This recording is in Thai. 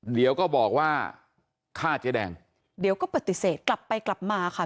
เดี๋ยวก็บอกว่าฆ่าเจ๊แดงเดี๋ยวก็ปฏิเสธกลับไปกลับมาค่ะ